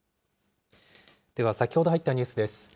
では、先ほど入ったニュースです。